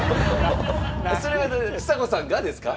それはちさ子さんがですか？